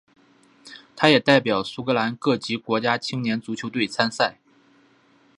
他也代表苏格兰各级国家青年足球队参赛。